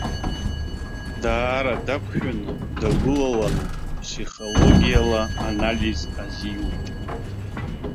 Даара дақәшәаны, дагәылаланы ԥсихологиала анализ азиуеит.